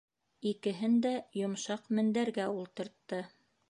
Икеһен дә йомшаҡ мендәргә ултыртты.